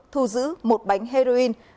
thu giữ một bánh heroin